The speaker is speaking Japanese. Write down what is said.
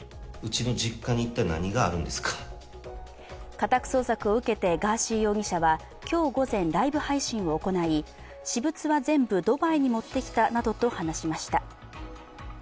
家宅捜索を受けてガーシー容疑者は今日午前、ライブ配信を行い私物は全部ドバイに持ってきたなどと話しました。